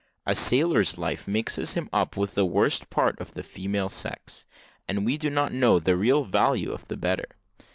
A sailor's life mixes him up with the worst part of the female sex, and we do not know the real value of the better.